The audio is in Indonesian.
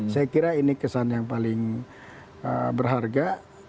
saya kira ini kesan yang paling berharga